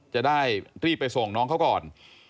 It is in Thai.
จะได้รีบไปส่งน้องเขาก่อน